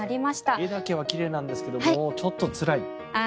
画だけは奇麗なんですけどちょっとつらいですね。